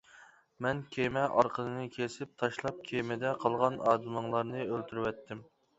مەن كېمە ئارقىنىنى كېسىپ تاشلاپ كېمىدە قالغان ئادىمىڭلارنى ئۆلتۈرۈۋەتتىم.